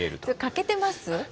欠けてます？